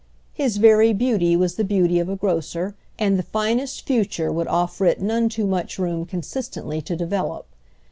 His very beauty was the beauty of a grocer, and the finest future would offer it none too much room consistently to develop.